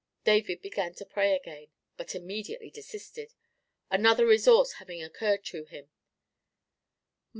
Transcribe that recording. David began to pray again, but immediately desisted—another resource having occurred to him.